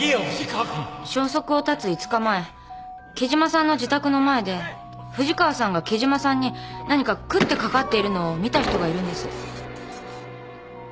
（木島消息を絶つ５日前木島さんの自宅の前で藤川さんが木島さんに何か食ってかかっているのを見た人がいるんです。